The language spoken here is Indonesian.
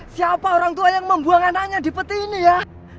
siapa orang tua yang membuang anaknya di peti ini ya